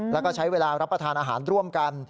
แล้วก็ใช้เวลารับประทานอาหารร่วมกัน